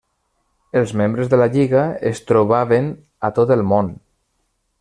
Els membres de la Lliga es trobaven a tot el món.